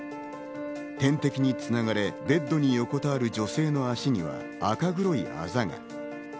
点滴に繋がれ、ベッドに横たわる女性の足には赤黒いアザが。